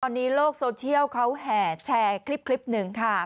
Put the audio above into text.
ตอนนี้โลกโซเชียลเขาแห่แชร์คลิปหนึ่งค่ะ